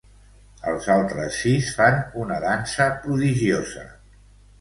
Els altres sis fan una dansa prodigiosa.